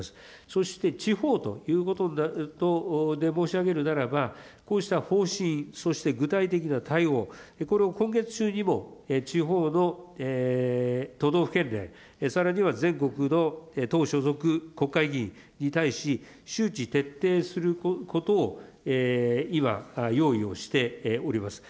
そして地方ということで申し上げるならば、こうした方針、そして具体的な対応、これを今月中にも地方の都道府県連、さらには全国の党所属国会議員に対し、周知徹底することを今、用意をしております。